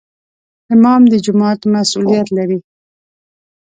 امام د جومات مسؤولیت لري